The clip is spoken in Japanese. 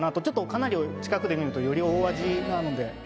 ちょっとかなり近くで見るとより大味なので。